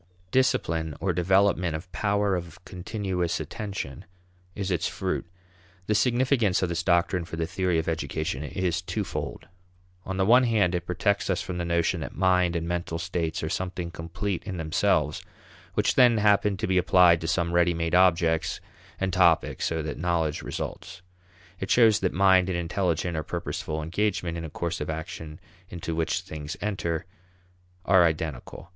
Discipline or development of power of continuous attention is its fruit. The significance of this doctrine for the theory of education is twofold. On the one hand it protects us from the notion that mind and mental states are something complete in themselves, which then happen to be applied to some ready made objects and topics so that knowledge results. It shows that mind and intelligent or purposeful engagement in a course of action into which things enter are identical.